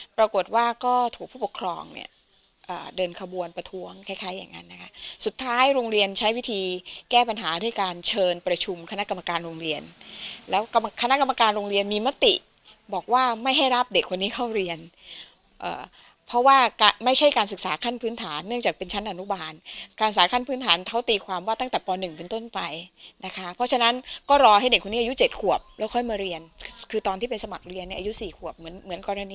ปรากฏว่าก็ถูกผู้ปกครองเนี่ยเดินขบวนประท้วงคล้ายอย่างงั้นนะคะสุดท้ายโรงเรียนใช้วิธีแก้ปัญหาด้วยการเชิญประชุมคณะกรรมการโรงเรียนแล้วคณะกรรมการโรงเรียนมีมติบอกว่าไม่ให้รับเด็กคนนี้เข้าเรียนเพราะว่าไม่ใช่การศึกษาขั้นพื้นฐานเนื่องจากเป็นชั้นอนุบาลการศึกษาขั้นพื้นฐานเ